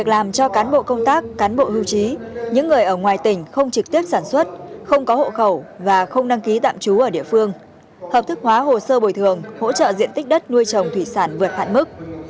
làm cho cán bộ công tác cán bộ hưu trí những người ở ngoài tỉnh không trực tiếp sản xuất không có hộ khẩu và không đăng ký tạm trú ở địa phương hợp thức hóa hồ sơ bồi thường hỗ trợ diện tích đất nuôi trồng thủy sản vượt hạn mức